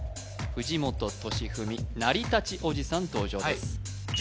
藤本敏史成り立ちおじさん登場です